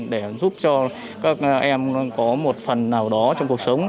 để giúp cho các em có một phần nào đó trong cuộc sống